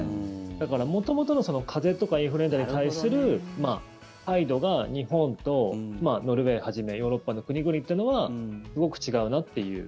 だから元々の風邪とかインフルエンザに対する態度が日本と、ノルウェーはじめヨーロッパの国々というのはすごく違うなっていう。